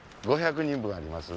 ５００人分あります。